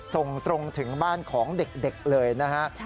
ส่งตรงถึงบ้านของเด็กเลยนะฮะ